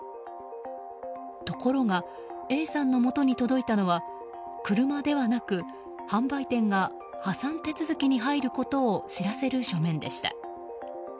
ところがＡさんのもとに届いたのは車ではなく販売店が破産手続きに入ることを知らせる書面でした。